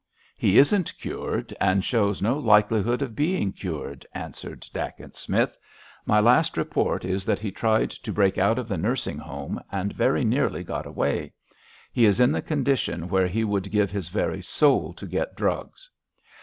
"He isn't cured, and shows no likelihood of being cured," answered Dacent Smith. "My last report is that he tried to break out of the nursing home, and very nearly got away. He is in the condition where he would give his very soul to get drugs.